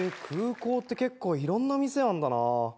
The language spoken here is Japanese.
空港って結構いろんな店あるんだな。